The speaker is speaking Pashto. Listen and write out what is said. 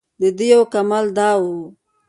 دده یو کمال دا و.